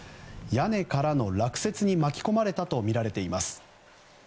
屋根からの落雪に巻き込まれたとみられています。